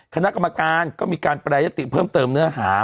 คณะกรรมการก็มีการแปรยติเพิ่มเติมเนื้อหา